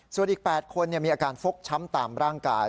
ส่วนอีก๘คนมีอาการฟกช้ำตามร่างกาย